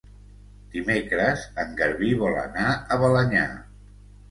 Dimecres en Garbí vol anar a Balenyà.